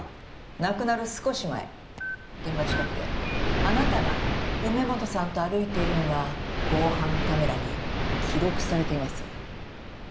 「亡くなる少し前現場近くであなたが梅本さんと歩いているのが防犯カメラに記録されています」